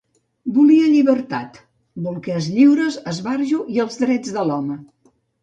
Volia llibertat; bolquers lliures, esbarjo i els drets de l'home.